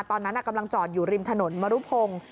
ตอนนั้นกำลังจอดอยู่ริมถนนมรุพงศ์